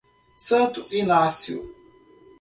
Santo Inácio